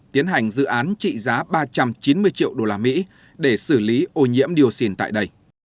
tiến hành dự án trị giá ba trăm chín mươi triệu usd để xử lý ô nhiễm dioxin tại đây